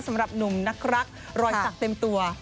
สำหรับหนุ่มนักรักรอยสักเต็มตัว